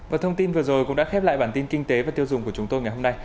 và thông tin vừa rồi cũng đã khép lại bản tin kinh tế và tiêu dùng của chúng tôi ngày hôm nay